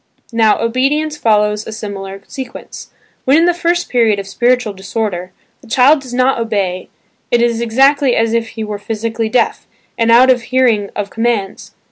Now, obedience follows a similar sequence. When in the first period of spiritual disorder, the child does not obey it is exactly as if he were psychically deaf, and out of hearing of commands.